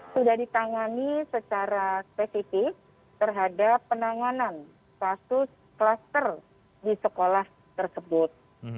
sudah ditangani secara spesifik terhadap penanganan kasus klaster di sekolah tersebut